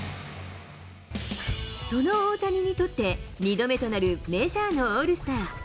その大谷にとって、２度目となるメジャーのオールスター。